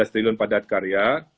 tiga belas triliun padat karya